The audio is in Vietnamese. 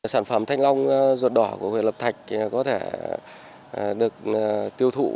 sản phẩm thanh long ruột đỏ của huyện lập thạch có thể được tiêu thụ